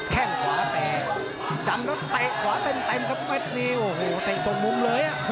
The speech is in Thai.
แค่งขวาแตะแตะขวาเต็มแตะส่งมุมเลย